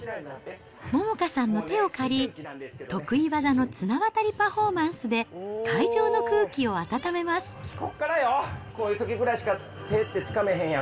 百花さんの手を借り、得意技の綱渡りパフォーマンスで、ここからよ、こういうときぐらいしか手って、つかめへんやん。